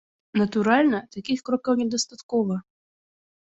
Натуральна, такіх крокаў недастаткова.